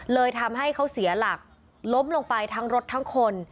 เลยทำให้เขาเสียหลักล้มลงไปทั้งรถทั้งคน